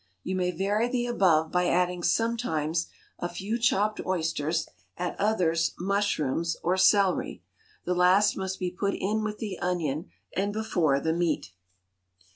You may vary the above by adding sometimes a few chopped oysters; at others, mushrooms, or celery. The last must be put in with the onion and before the meat.